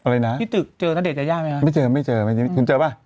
พักเบาบ้างพี่ตึกเจอไหมนะณเดชน์ยายาอะไรนะพี่ตึกเจอณเดชน์ยายาไหมนะ